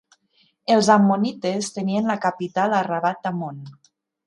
Els ammonites tenien la capital a Rabbath Ammon.